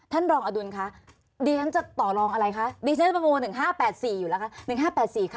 ท่านรองอดุลคะดิฉันจะต่อรองอะไรคะดิฉันจะประมูล๑๕๘๔อยู่แล้วคะ๑๕๘๔ค่ะ